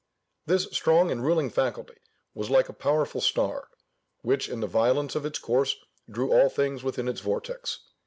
This strong and ruling faculty was like a powerful star, which, in the violence of its course, drew all things within its vortex.